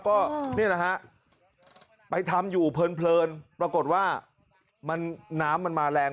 ก็นี่แหละฮะไปทำอยู่เพลินปรากฏว่าน้ำมันมาแรง